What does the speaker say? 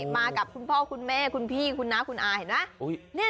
มากับคุณพ่อคุณแม่คุณพี่คุณน้าคุณอาเห็นไหม